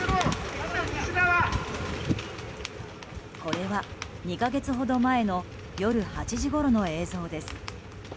これは、２か月ほど前の夜８時ごろの映像です。